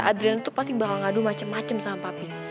adrian tuh pasti bakal ngadu macem macem sama papi